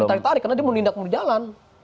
tertarik tarik karena dia mau lindak mau jalan